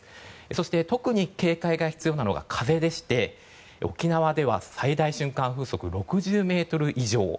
そして特に警戒が必要なのが風でして沖縄では最大瞬間風速６０ｍ以上。